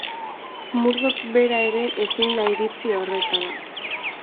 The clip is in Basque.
Murdoch bera ere ezin da iritsi horretara.